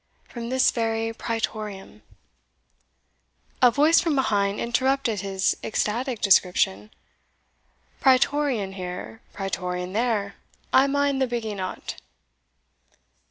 From this very Praetorium" A voice from behind interrupted his ecstatic description "Praetorian here, Praetorian there, I mind the bigging o't."